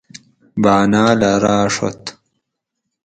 باۤناۤلہ راۤڛت